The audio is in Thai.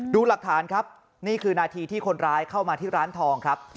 หลักฐานครับนี่คือนาทีที่คนร้ายเข้ามาที่ร้านทองครับ